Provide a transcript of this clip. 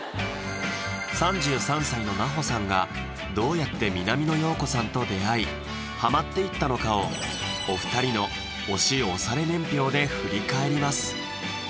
３３歳の奈穂さんがどうやって南野陽子さんと出会いハマっていったのかをお二人の推し推され年表で振り返ります